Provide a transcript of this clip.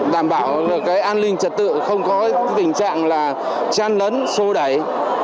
đảm bảo an ninh trả tự không có tình trạng là chăn lấn xô đẩy